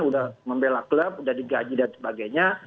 sudah membela klub sudah digaji dan sebagainya